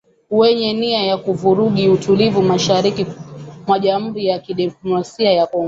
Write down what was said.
wenye nia ya kuvuruga utulivu mashariki mwa Jamhuri ya kidemokrasia ya Kongo